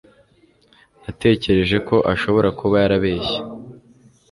Natekereje ko ashobora kuba yarabeshye